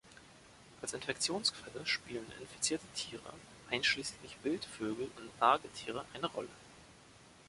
Als Infektionsquelle spielen infizierte Tiere einschließlich Wildvögel und Nagetiere eine Rolle.